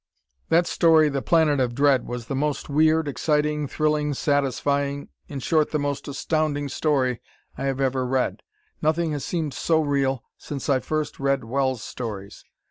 That story, "The Planet of Dread," was the most weird, exciting, thrilling, satisfying in short, the most "astounding" story I have ever read. Nothing has seemed so real since I first read Wells' stories.